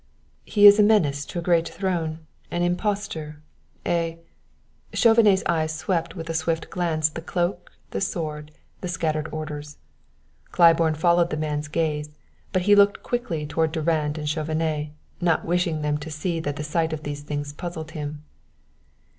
"He is a menace to a great throne an impostor a " Chauvenet's eyes swept with a swift glance the cloak, the sword, the scattered orders. Claiborne followed the man's gaze, but he looked quickly toward Durand and Chauvenet, not wishing them to see that the sight of these things puzzled him.